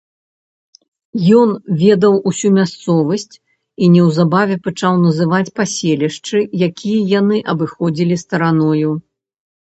Ён ведаў усю мясцовасць і неўзабаве пачаў называць паселішчы, якія яны абыходзілі стараною.